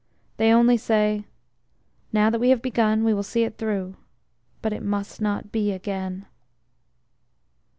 They only say: Now that we have begun, we will see it through but it must not be Again.